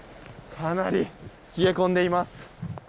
かなり冷え込んでいます。